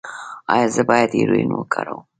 ایا زه باید هیرویین وکاروم؟